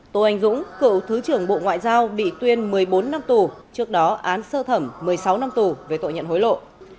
bốn tô anh dũng cựu thứ trưởng bộ ngoại giao bị tuyên một mươi bốn năm tù trước đó án sơ thẩm một mươi sáu năm tù về tội nhận hối lộ